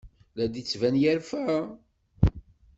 La d-yettban yerfa.